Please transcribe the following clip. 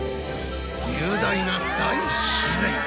雄大な大自然。